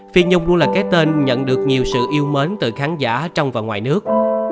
phi nhung luôn là cái tên nhận được nhiều sự yêu mến từ khán giả trong và ngoài nước